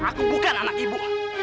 aku bukan anak ibu